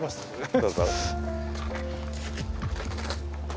どうぞ。